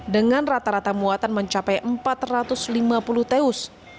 dengan rata rata muatan mencapai empat ratus lima puluh teus